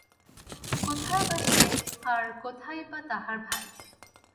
কোথায়ই বা সে-আর কোথায়ই বা তাহার ভাই!